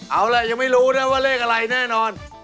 เอาล่ะยังไม่รู้นะว่าเลขอะไรแน่นอน